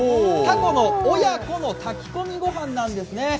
たこの親子の炊き込み御飯なんですね。